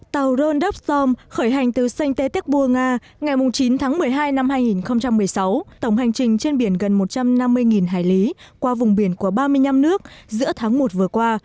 tàu rondosom khởi hành từ sanh tế tiếc bua nga ngày chín tháng một mươi hai năm hai nghìn một mươi sáu tổng hành trình trên biển gần một trăm năm mươi hải lý qua vùng biển của ba mươi năm nước giữa tháng một vừa qua